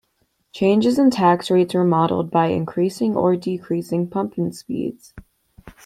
Changes in tax rates were modeled by increasing or decreasing pumping speeds.